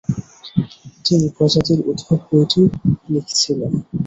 তিনি প্রজাতির উদ্ভব বইটির লিখছিলেন।